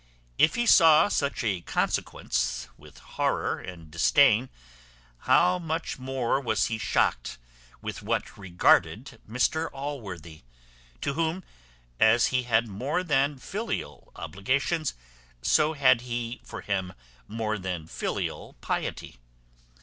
If he saw such a consequence with horror and disdain, how much more was he shocked with what regarded Mr Allworthy; to whom, as he had more than filial obligations, so had he for him more than filial piety!